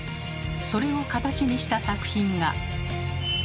それを形にした作品が。